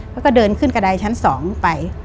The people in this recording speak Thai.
แล้วก็เดินขึ้นกระดายชั้น๒ไป